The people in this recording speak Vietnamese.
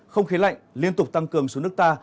không khí lạnh liên tục tăng cường xuống nước ta